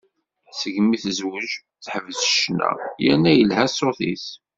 Segmi tezweǧ, teḥbes ccna, yerna yelha ṣṣut-is.